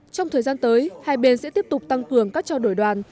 trong thời gian tới hai bên sẽ tiếp tục tăng cường các trao đổi đoàn